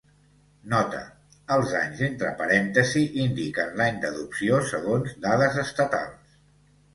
Nota: Els anys entre parèntesis indiquen l'any d'adopció segons dades estatals.